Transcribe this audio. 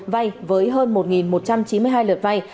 vai với hơn một một trăm chín mươi hai lượt vai